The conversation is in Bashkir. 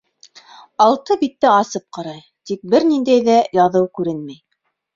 Алты битте асып ҡарай, тик бер ниндәй ҙә яҙыу күренмәй.